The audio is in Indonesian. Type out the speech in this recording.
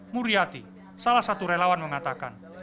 muriati salah satu relawan mengatakan